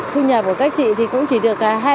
thu nhập của các chị thì cũng chỉ được